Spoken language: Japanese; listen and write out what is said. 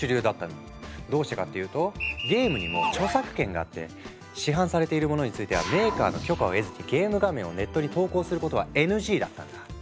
どうしてかっていうとゲームにも著作権があって市販されているものについてはメーカーの許可を得ずにゲーム画面をネットに投稿することはＮＧだったんだ。